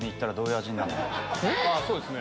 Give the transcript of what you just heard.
そうですね。